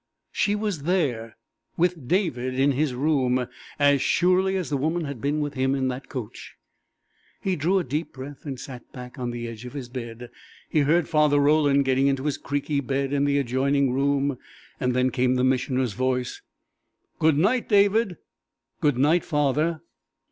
She was there with David in his room as surely as the woman had been with him in the coach. He drew a deep breath and sat back on the edge of his bed. He heard Father Roland getting into his creaky bed in the adjoining room. Then came the Missioner's voice. "Good night, David." "Good night, Father."